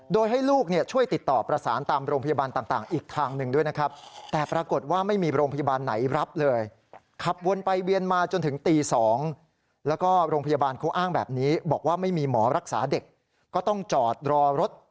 โดยให้ลูกเนี่ยช่วยติดต่อประสานตามโรงพยาบาลต่างอีกทางหนึ่งด้วยนะครับ